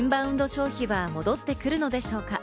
消費は戻ってくるのでしょうか？